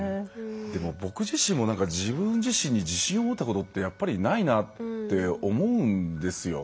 でも僕自身も自分自身に自信を持ったことってやっぱりないなって思うんですよ。